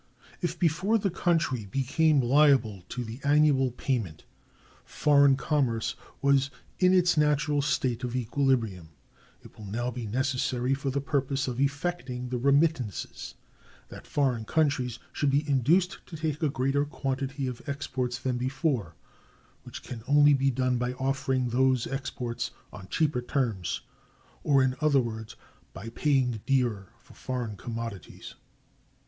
If, before the country became liable to the annual payment, foreign commerce was in its natural state of equilibrium, it will now be necessary, for the purpose of effecting the remittances, that foreign countries should be induced to take a greater quantity of exports than before, which can only be done by offering those exports on cheaper terms, or, in other words, by paying dearer for foreign commodities.